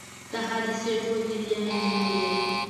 د حادثې ټول جریان یې وویل.